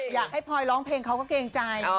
อยากให้พลอยร้องเพลงเขาก็เกรงใจ